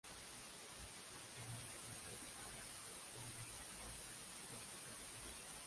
Hay que tener en cuenta que Candás era un importante puerto pesquero.